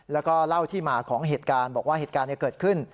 แล้วก็เล่าที่มาของเหตุการณ์บอกว่าเหตุการณ์เกิดขึ้น